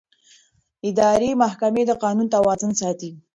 اداري محکمې د قانون توازن ساتي.